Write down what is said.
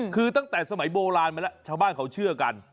คือตั้งแต่สมัยโบราณมาแล้วชาวบ้านเขาเชื่อกัน